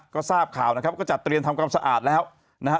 ก็ทราบข่าวนะครับก็จัดเตรียมทำความสะอาดแล้วนะฮะ